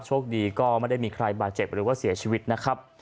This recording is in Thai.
โชคดีก็ไม่ได้มีใครบาดเจ็บหรือว่าเสียชีวิตนะครับ